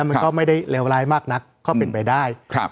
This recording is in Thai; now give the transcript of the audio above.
แล้วมันก็ไม่ได้เลวร้ายมากนักเข้าเป็นไปได้ครับ